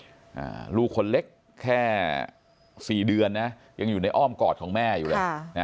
อ่าลูกคนเล็กแค่สี่เดือนนะยังอยู่ในอ้อมกอดของแม่อยู่เลยค่ะนะ